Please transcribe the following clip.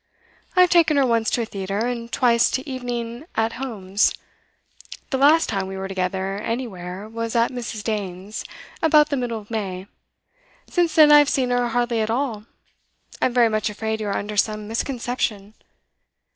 'I have taken her once to a theatre, and twice to evening "at homes." The last time we were together anywhere was at Mrs. Dane's, about the middle of May. Since then I have seen her hardly at all. I'm very much afraid you are under some misconception.